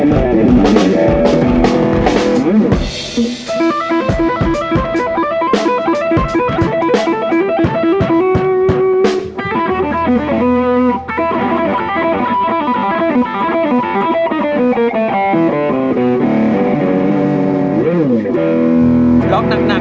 ไม่ชินที่ไปดูเล่นแนวนี้อะนะ